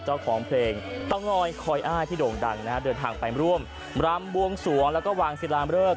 เจ้าของเพลงเตางอยคอยอ้ายที่โด่งดังนะฮะเดินทางไปร่วมรำบวงสวงแล้วก็วางศิลามเริก